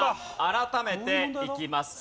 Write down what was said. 改めていきます。